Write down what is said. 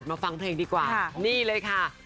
ฟังเพลงดีกว่านี่เลยค่ะ